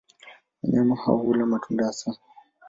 Wanyama hao hula matunda hasa.